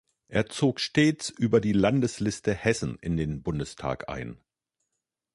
Er zog stets über die Landesliste Hessen in den Bundestag ein.